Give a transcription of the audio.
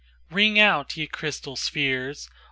XIIIRing out, ye crystal spheres!